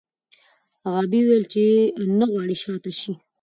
غابي وویل چې نه غواړي شا ته شي.